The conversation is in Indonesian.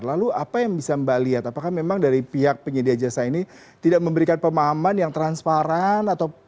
lalu apa yang bisa mbak lihat apakah memang dari pihak penyedia jasa ini tidak memberikan pemahaman yang transparan